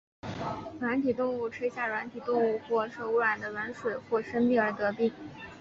软体动物吃下软体动物或受污染的饮水或生菜而得病。